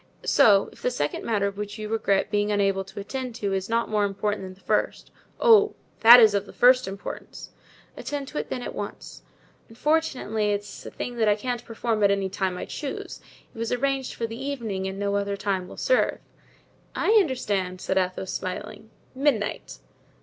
So, if the second matter which you regret being unable to attend to is not more important than the first——" "Oh! that is of the first importance." "Attend to it, then, at once." "Unfortunately, it is a thing that I can't perform at any time I choose. It was arranged for the evening and no other time will serve." "I understand," said Athos smiling, "midnight."